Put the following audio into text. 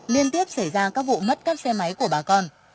liên tiếp xảy ra các vụ mất cắp xe máy của bà con